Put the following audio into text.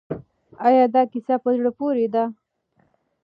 آیا دا کیسه په زړه پورې ده؟